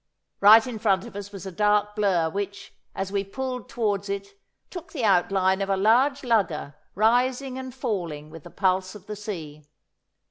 Right in front of us was a dark blur, which, as we pulled towards it, took the outline of a large lugger rising and falling with the pulse of the sea.